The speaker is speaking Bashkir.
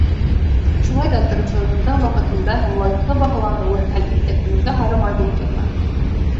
Шулай ҙа тырышлығыңдың ваҡытында һәм лайыҡлы баһаланыуы, әлбиттә, күңелгә һары май булып ята.